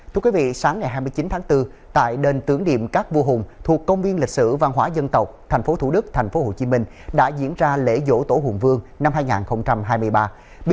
thưa quý vị sáng ngày hai mươi chín tháng bốn tại đền tưởng điệm các vua hùng thuộc công viên lịch sử văn hóa dân tộc thành phố thủ đức thành phố hồ chí minh đã diễn ra lễ dỗ tổ hùng vương năm hai nghìn hai mươi ba